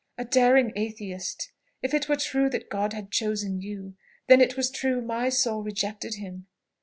a daring atheist! If it were true that God had chosen you, then was it true my soul rejected him!